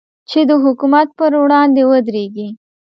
چې د حکومت پر وړاندې ودرېږي.